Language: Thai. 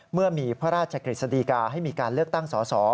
เมื่อมีพระราชกฤษฎีกาให้มีการเลือกตั้งสอสอ